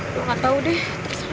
gue gak tau deh